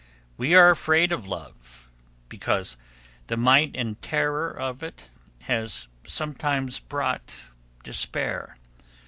We are afraid of love, because the might and terror of it has sometimes brought despair.